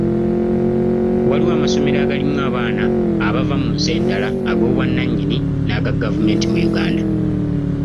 Waliwo amasomero agalimu abaana abava mu nsi endala, ag'obwannanyini n'aga gavumenti mu Uganda.